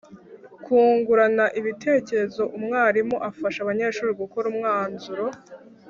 kungurana ibitekerezo umwarimu afasha abanyeshuri gukora umwanzuro